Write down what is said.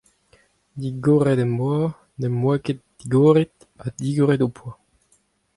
Digoret em boa, ne'm boa ket digoret, ha digoret ho poa.